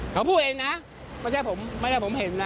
เขาพูดเองนะไม่ใช่ผมไม่ใช่ผมเห็นนะ